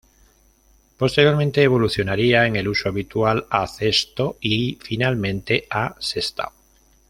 Posteriormente evolucionaría en el uso habitual a "Cesto" y finalmente a "Sestao".